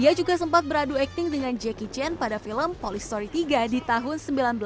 ia juga sempat beradu akting dengan jky chen pada film poli story tiga di tahun seribu sembilan ratus sembilan puluh